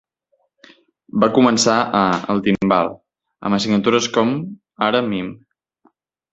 Va començar a El Timbal, amb assignatures com ara mim.